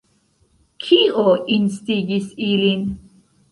Kio instigis ilin?